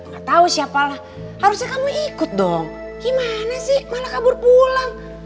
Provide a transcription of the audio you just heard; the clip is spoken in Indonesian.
gak tau siapalah harusnya kami ikut dong gimana sih mana kabur pulang